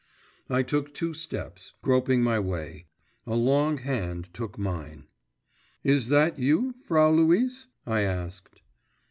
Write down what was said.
I took two steps, groping my way, a long hand took mine. 'Is that you, Frau Luise?' I asked.